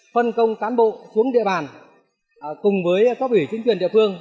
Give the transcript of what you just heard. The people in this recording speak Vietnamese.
phân công cán bộ xuống địa bàn cùng với cấp ủy chính quyền địa phương